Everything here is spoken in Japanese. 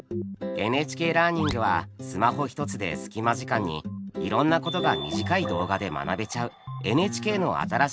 ＮＨＫラーニングはスマホ１つで隙間時間にいろんなことが短い動画で学べちゃうＮＨＫの新しいサービスです。